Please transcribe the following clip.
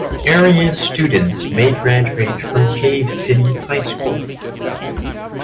Area students may graduate from Cave City High School.